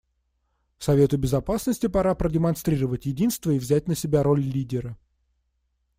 Совету Безопасности пора продемонстрировать единство и взять на себя роль лидера.